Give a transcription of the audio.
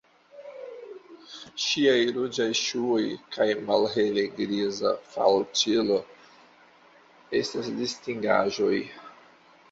Ŝiaj ruĝaj ŝuoj kaj malhele-griza falĉilo estas distingaĵoj.